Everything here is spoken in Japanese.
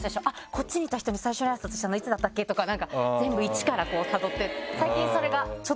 こっちにいた人に最初にあいさつしたのいつだったっけ？」とかなんか全部一からたどって。